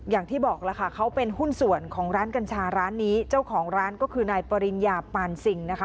อย่างที่บอกล่ะค่ะเขาเป็นหุ้นส่วนของร้านกัญชาร้านนี้เจ้าของร้านก็คือนายปริญญาปานซิงนะคะ